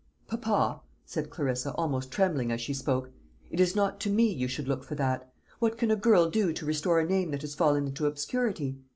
"Papa," said Clarissa, almost trembling as she spoke, "it is not to me you should look for that. What can a girl do to restore a name that has fallen into obscurity?